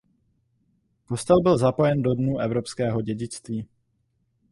Kostel byl zapojen do Dnů evropského dědictví.